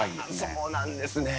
そうなんですね。